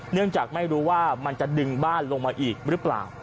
เนื่องจากไม่รู้ว่ามันจะดึงบ้านลงมาอีกหรือเปล่า